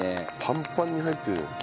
パンパンに入ってるじゃん。